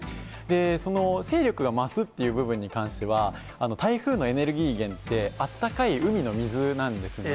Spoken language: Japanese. その勢力が増すっていう部分に関しては、台風のエネルギー源って、あったかい海の水なんですね。